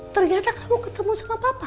ternyata kamu ketemu sama papa